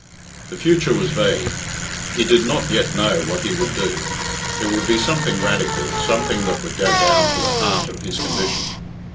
The future was vague. He did not yet know what he would do. It would be something radical, something that would go down to the heart of his condition.